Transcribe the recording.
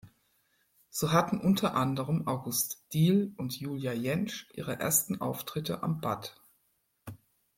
So hatten unter anderem August Diehl und Julia Jentsch ihre ersten Auftritte am bat.